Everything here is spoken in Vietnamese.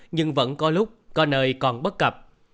nhưng vẫn có lúc có nơi còn bất cập